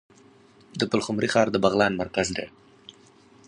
د پلخمري ښار د بغلان مرکز دی